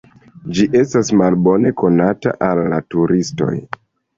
Ĝi estas malbone konata al la turistoj.